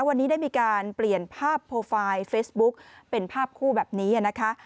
วันนี้ได้มีการเปลี่ยนภาพโปรไฟล์เฟซบุ๊กเป็นภาพคู่แบบนี้นะคะ